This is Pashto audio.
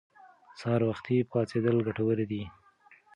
سهار وختي پاڅېدل ګټور دي.